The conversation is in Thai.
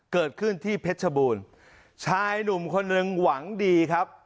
เกิดขึ้นที่เพชรชบูรณ์ชายหนุ่มคนหนึ่งหวังดีครับ